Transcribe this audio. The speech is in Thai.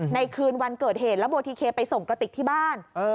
คืนวันเกิดเหตุแล้วโบทิเคไปส่งกระติกที่บ้าน